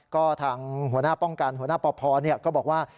ก็ทางหัวหน้าป้องกันหัวหน้าปพก็บอกว่า